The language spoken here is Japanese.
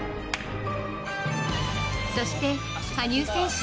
そして羽生選手